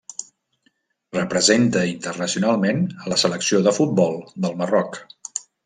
Representa internacionalment la selecció de futbol del Marroc.